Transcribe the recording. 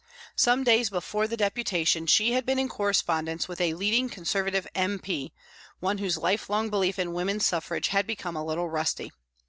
Some days before the deputation, she had been in correspondence with a leading Conservative M.P., one whose lifelong belief in Woman Suffrage had become a little rusty.